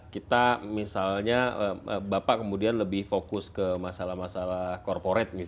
kita misalnya bapak kemudian lebih fokus ke masalah masalah corporat